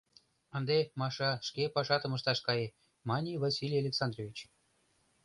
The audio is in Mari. — Ынде, Маша, шке пашатым ышташ кае, — мане Василий Александрович.